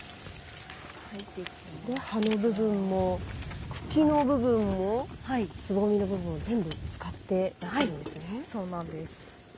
葉の部分も茎の部分もつぼみの部分も全部使っていらっしゃるんですね。